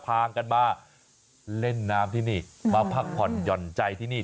พากันมาเล่นน้ำที่นี่มาพักผ่อนหย่อนใจที่นี่